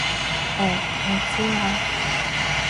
哦我知喇